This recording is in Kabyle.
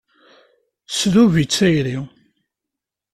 Tesdub-itt tayri.